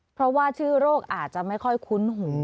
เพราะว่าชื่อโรคอาจจะไม่ค่อยคุ้นหู